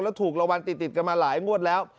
แล้วถูกรางวัลติดกันมาหลายงวดแล้ว